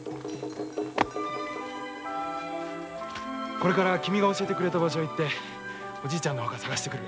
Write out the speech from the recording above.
これから君が教えてくれた場所へ行っておじいちゃんのお墓探してくる。